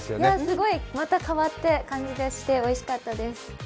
すごい、また変わった感じがして、おいしかったです。